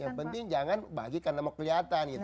yang penting jangan bagikan mau kelihatan gitu